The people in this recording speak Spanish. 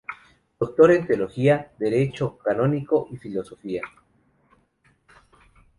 Doctor en teología, derecho canónico y filosofía.